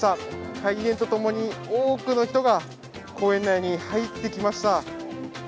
開園とともに多くの人が公園内に入ってきました。